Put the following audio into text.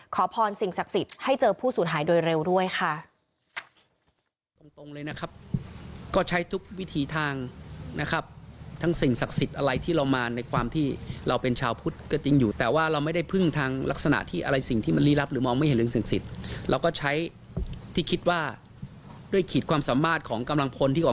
ขอพรสิ่งศักดิ์สิทธิ์ให้เจอผู้สูญหายโดยเร็วด้วยค่ะ